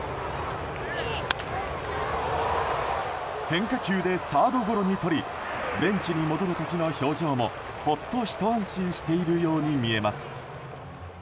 変化球でサードゴロにとりベンチに戻る時の表情もほっとひと安心しているように見えます。